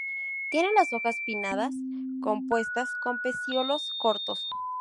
Tienen las hojas pinnadas compuestas con pecíolos cortos.